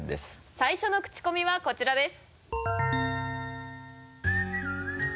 最初のクチコミはこちらです。